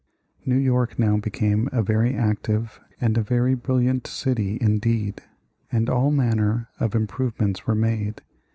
New York now became a very active and a very brilliant city indeed, and all manner of improvements were made.